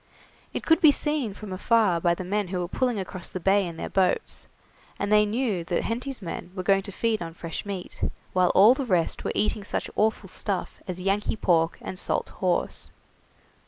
It could be seen from afar by the men who were pulling across the bay in their boats, and they knew that Henty's men were going to feed on fresh meat, while all the rest were eating such awful stuff as Yankee pork and salt horse.